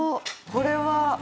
これは。